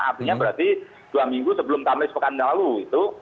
artinya berarti dua minggu sebelum kamis pekan lalu itu